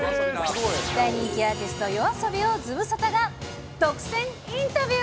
大人気アーティスト、ＹＯＡＳＯＢＩをズムサタが独占インタビュー。